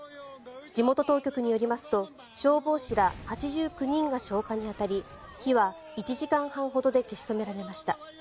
地元当局によりますと消防士ら８９人が消火に当たり火は１時間半ほどで消し止められました。